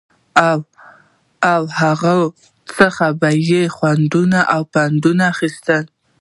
او له هغو څخه به يې خوندونه او پندونه اخيستل